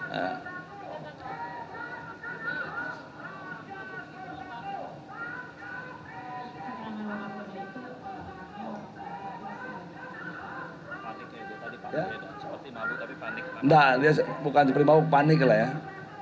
tidak bukan seperti bapak panik lah ya